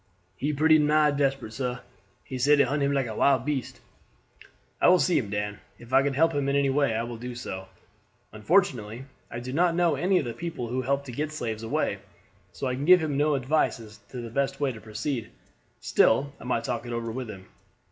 "He pretty nigh desperate, sah; he say dey hunt him like wild beast." "I will see him, Dan. If I can help him in any way I will do so. Unfortunately I do not know any of the people who help to get slaves away, so I can give him no advice as to the best way to proceed. Still I might talk it over with him.